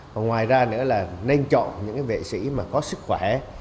còn ngoài ra nữa là nên chọn những vệ sĩ có sức khỏe